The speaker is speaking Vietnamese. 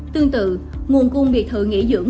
tương tự nguồn cung biệt thự nghỉ dưỡng